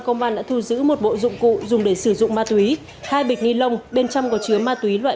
công an thu giữ một bộ dụng cụ dùng để sử dụng ma túy hai bịch nilon bên trong có chứa ma túy loại